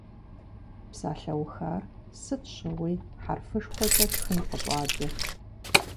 Псалъэухар сыт щыгъуи хьэрфышхуэкӏэ тхын къыщӏадзэ.